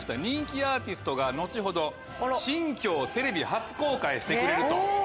人気アーティストが後ほど新居をテレビ初公開してくれると。